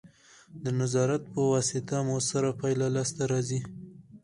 د نظارت په واسطه مؤثره پایله لاسته راځي.